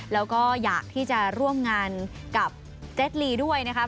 แล้วก็อยากที่จะร่วมงานกับเจ็ดลีด้วยนะครับ